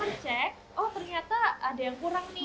terus nanti customer cek oh ternyata ada yang kurang nih